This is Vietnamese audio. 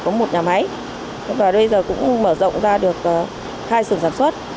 nhà máy cũng mở rộng ra được hai sửa sản xuất